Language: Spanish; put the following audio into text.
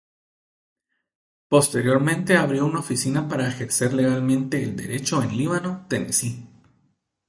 Posteriormente abrió una oficina para ejercer legalmente el derecho en Líbano, Tennessee.